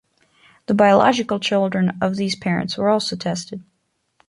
The biological children of these parents were also tested.